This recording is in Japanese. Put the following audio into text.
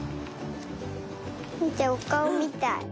みておかおみたい。